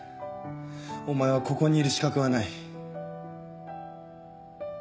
お前はここにいる資格はない。